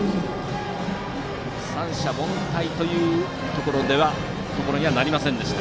三者凡退ということにはなりませんでした。